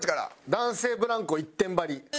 男性ブランコ一点張り。